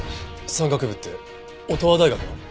山岳部って乙羽大学の？